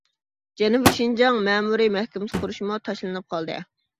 جەنۇبىي شىنجاڭ مەمۇرىي مەھكىمىسى قۇرۇشمۇ تاشلىنىپ قالدى.